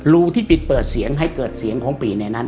รูที่ปิดเปิดเสียงให้เกิดเสียงของปีในนั้น